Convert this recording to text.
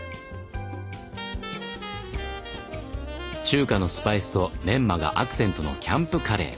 中華のスパイスとメンマがアクセントのキャンプカレー。